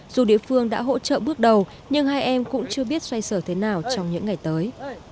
dù địa phương đã hỗ trợ bước đầu nhưng hai em cũng chưa biết xoay sở thế nào trong những ngày tới